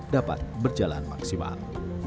dapat berjalan maksimal